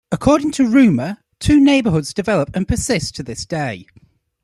According to rumor, two neighbourhoods developed and persist to this day.